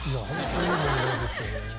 いい問題ですよね。